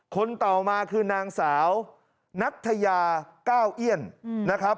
คนต่อมาคือนางสาวนัทยาก้าวเอี้ยนนะครับ